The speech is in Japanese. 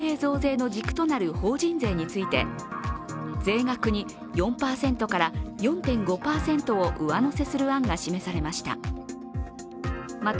会合では、防衛増税の軸となる法人税について税額に４％から４．５％を上乗せする案が示されました。